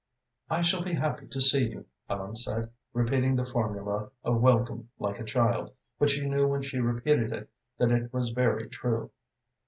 "I shall be happy to see you," Ellen said, repeating the formula of welcome like a child, but she knew when she repeated it that it was very true.